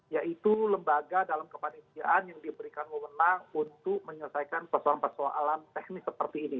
yaitu lembaga dalam kepanitiaan yang diberikan mewenang untuk menyelesaikan persoalan persoalan teknis seperti ini